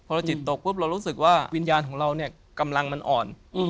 พอเราจิตตกปุ๊บเรารู้สึกว่าวิญญาณของเราเนี่ยกำลังมันอ่อน